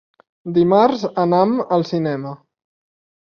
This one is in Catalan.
Dimarts anam al cinema.